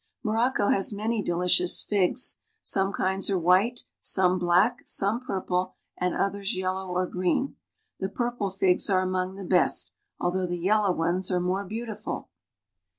Morocco has many delicious figs; some kinds are white, some black, some purple, and others yellow or green. The purple figs are among the best, although the yellow ones are more beautiful.